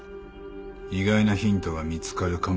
意外なヒントが見つかるかもしれないぞ。